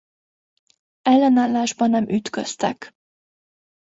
Ellenállásba nem ütköztek.